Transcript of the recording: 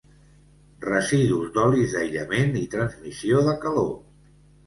Residus d'olis d'aïllament i transmissió de calor.